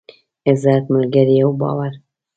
عزت، ملگري او باور.